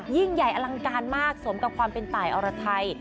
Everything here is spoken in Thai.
ยิ่งใหญ่อลังการมากสมกับความเป็นตายอรไทย